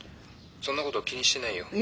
そんなこと気にしてないよ。